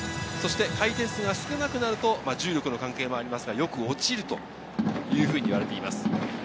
回転数が少なくなると重力の関係もありますが、よく落ちるというふうに言われています。